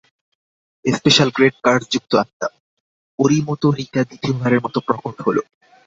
Special grade কার্সযুক্ত আত্মা, Orimoto Rika দ্বিতীয়বারের মতো প্রকট হলো।